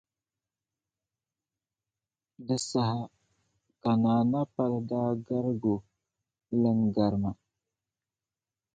Di saha ka Naa Napari daa garigi o, Iin garima